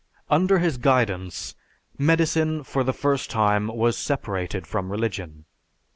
Under his guidance, medicine for the first time was separated from religion.